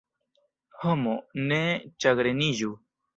Homo, ne ĉagreniĝu!